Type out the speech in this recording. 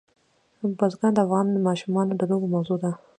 بزګان د افغان ماشومانو د لوبو موضوع ده.